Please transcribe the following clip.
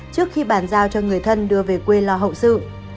trước khi bàn giao cho người thân đưa về quê lo hậu sự